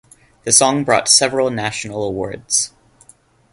The song brought several national awards.